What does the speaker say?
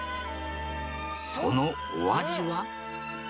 そのお味は？